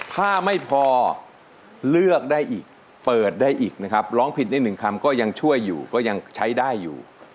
ถ้าไม่พอเลือกได้อีกเปิดได้อีกนะครับร้องผิดได้หนึ่งคำก็ยังช่วยอยู่ก็ยังใช้ได้อยู่